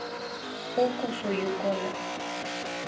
Uku suyukuna